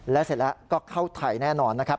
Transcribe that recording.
และเสร็จแล้วก็เข้าไทยแน่นอนนะครับ